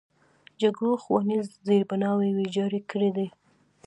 جګړو ښوونیز زیربناوې ویجاړې کړي دي.